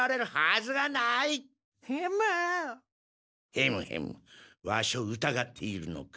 ヘムヘムワシをうたがっているのか？